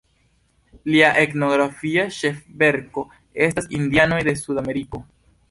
Lia etnografia ĉefverko estas Indianoj de Suda Ameriko.